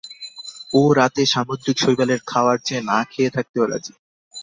ও রাতে সামুদ্রিক শৈবাল খাওয়ার চেয়ে না খেয়ে থাকতেও রাজি।